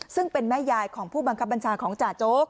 ซึ่งเป็นแม่ยายของผู้บังคับบัญชาของจ่าโจ๊ก